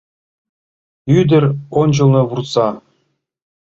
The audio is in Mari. Ӱдыр ончылно вурса!